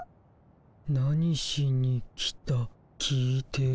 何しに来た聞いてる？